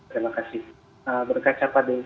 terima kasih berkaca pada